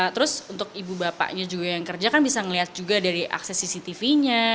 terus untuk ibu bapaknya juga yang kerja kan bisa melihat juga dari akses cctv nya